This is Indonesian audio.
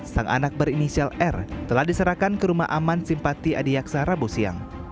sang anak berinisial r telah diserahkan ke rumah aman simpati adiaksa rabu siang